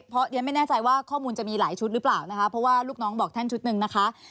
เพราะเรียนไม่แน่ใจว่าข้อมูลจะมีหลายชุดหรือเปล่านะคะเพราะว่าลูกน้องบอกท่านชุดหนึ่งนะคะ